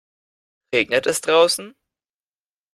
Regnet es draußen?